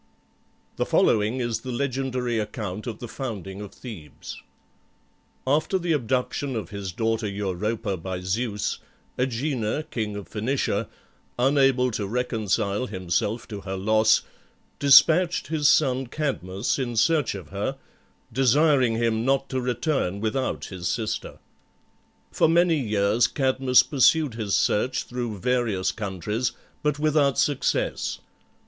The following is the legendary account of the founding of Thebes: After the abduction of his daughter Europa by Zeus, Agenor, king of Phoenicia, unable to reconcile himself to her loss, despatched his son Cadmus in search of her, desiring him not to return without his sister. For many years Cadmus pursued his search through various countries, but without success.